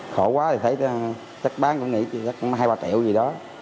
khổ quá thì thấy chắc bán cũng nghỉ chắc hai ba triệu gì đó